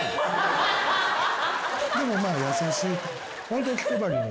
でもまあ優しい。